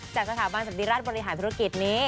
จากสถาบันสันติราชบริหารธุรกิจนี้